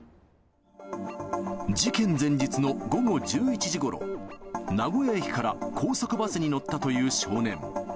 事件前日の午後１１時ごろ、名古屋駅から高速バスに乗ったという少年。